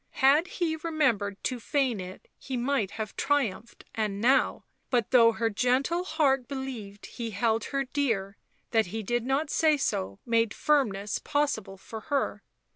Had he remembered to feign it he might have triumphed, and now ; but though her gentle heart believed he held her dear, that he did not say so made firmness possible for her.